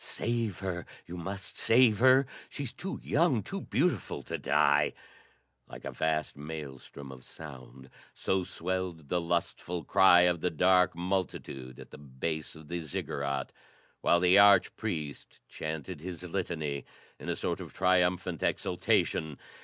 "Save her! You must save her! She's too young, too beautiful to die!" Like a vast maelstrom of sound, so swelled the lustful cry of the dark multitude at the base of the Ziggurat, while the arch priest chanted his litany in a sort of triumphant exultation.